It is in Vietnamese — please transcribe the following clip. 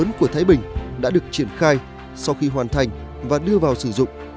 dự án của thái bình đã được triển khai sau khi hoàn thành và đưa vào sử dụng